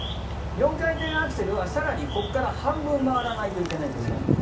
４回転アクセルは更にここから半分回らないといけないんです。